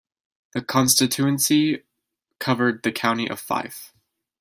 The constituency covered the county of Fife.